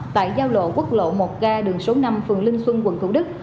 tại giao lộ quốc lộ một ga đường số năm phường linh xuân quận thủ đức